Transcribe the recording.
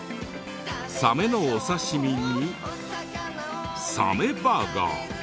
サメのお刺身にサメバーガー。